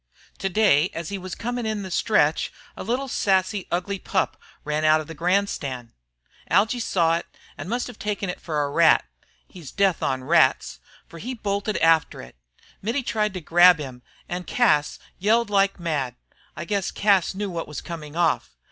Today as he was coming in the stretch, a little, sassy, ugly pup ran out of the grandstand. "Algy saw it and must have taken it for a rat he's death on rats for he bolted after it. Mittie tried to grab him and Cas yelled like mad. I guess Cas knew what was coming off.